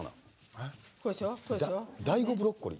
ＤＡＩＧＯブロッコリー？